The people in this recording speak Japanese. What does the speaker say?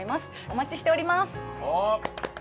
お待ちしております。